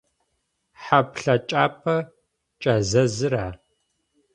Хьа плъэкӏапӏэ кӏэзэзыра?